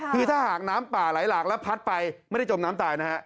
คือถ้าหากน้ำป่าไหลหลากแล้วพัดไปไม่ได้จมน้ำตายนะฮะ